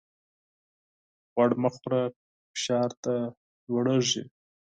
غوړ مه خوره ! فشار دي لوړېږي.